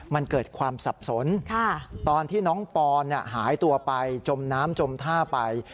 มันเกิดความสับสนตอนที่น้องปอนหายตัวไปจมน้ำจมท่าไป